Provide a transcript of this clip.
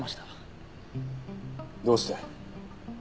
どうして？